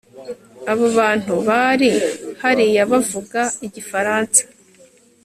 abo bantu bari hariya bavuga igifaransa